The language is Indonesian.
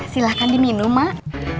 silahkan diminum mak